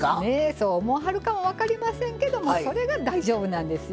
そう思わはるかも分かりませんけどもそれが大丈夫なんですよ。